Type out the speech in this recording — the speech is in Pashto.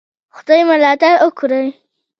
خدای ملاتړ وکړی.